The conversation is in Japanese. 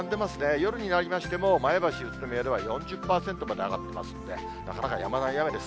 夜になりましても、前橋、宇都宮では４０％まで上がってますんで、なかなかやまない雨です。